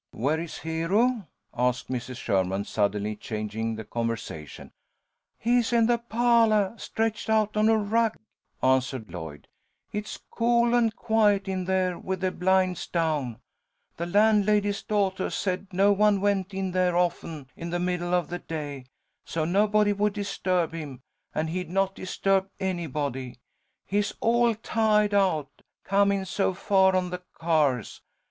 "Where is Hero?" asked Mrs. Sherman, suddenly changing the conversation. "He's in the pahlah, stretched out on a rug," answered Lloyd. "It's cool and quiet in there with the blinds down. The landlady's daughtah said no one went in there often, in the middle of the day, so nobody would disturb him, and he'd not disturb anybody. He's all tiahed out, comin' so far on the cars.